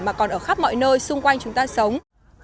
mà còn ở khắp mọi nơi xung quanh chúng ta sống